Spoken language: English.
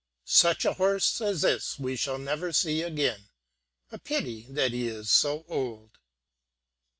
"Such a horse as this we shall never see again: a pity that he is so old."